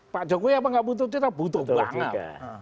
pak jokowi apa enggak butuh citra butuh banget